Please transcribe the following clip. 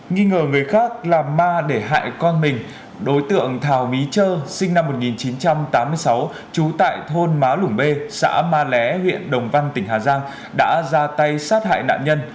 nghi ngờ người khác là ma để hại con mình đối tượng thảo my trơ sinh năm một nghìn chín trăm tám mươi sáu trú tại thôn má lủng bê xã ma lé huyện đồng văn tỉnh hà giang đã ra tay sát hại nạn nhân